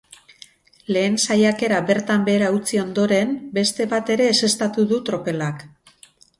Lehen saiakera bertan behera utzi ondoren, beste bat ere ezeztatu du tropelak.